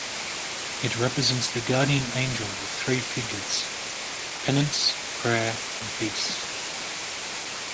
It represents the Guardian Angel with three figures: Penance, Prayer and Peace.